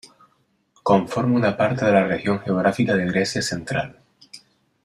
Conforma una parte de la región geográfica de Grecia Central.